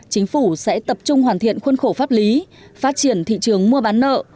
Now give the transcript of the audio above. chính phủ sẽ tập trung hoàn thiện khuôn khổ pháp lý phát triển thị trường mua bán nợ